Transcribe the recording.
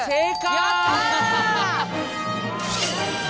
やった！